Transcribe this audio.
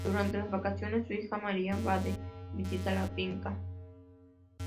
Durante las vacaciones, su hija María va de visita a la finca.